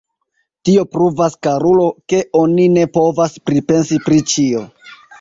Tio pruvas, karulo, ke oni ne povas pripensi pri ĉio.